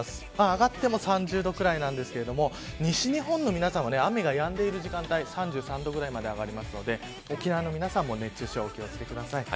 上がっても３０度ぐらいなんですけど西日本の皆さんは雨がやんでいる時間帯３３度ぐらいまで上がるので沖縄の皆さんも熱中症お気を付けください。